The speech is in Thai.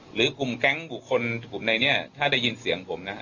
หรือกลุ่มแก๊งบุคคลกลุ่มไหนเนี่ยถ้าได้ยินเสียงผมนะฮะ